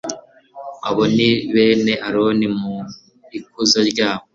abo ni bene aroni mu ikuzo ryabo